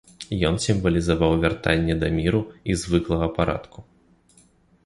Ён сімвалізаваў вяртанне да міру і звыклага парадку.